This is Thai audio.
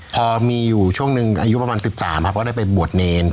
พอมีอยู่ช่วงหนึ่งอายุประมาณ๑๓ครับก็ได้ไปบวชเนร